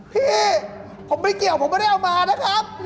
พี่ผมไม่เกี่ยวผมไม่ได้เอามานะครับ